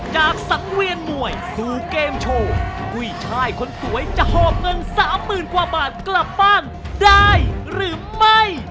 จากสันเวียนมวยซื้อเกมโชว์กุ้ยชายคนสวยจะหอบเงิน๓๐๐๐๐กว่าบาทกลับบ้านได้หรือไม่